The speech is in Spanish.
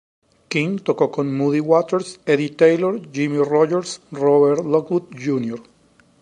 King tocó con Muddy Waters, Eddie Taylor, Jimmy Rogers, Robert Lockwood, Jr.